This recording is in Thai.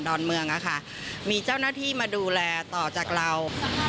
อนเมืองอะค่ะมีเจ้าหน้าที่มาดูแลต่อจากเรา